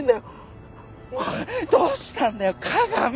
おいどうしたんだよ加賀美！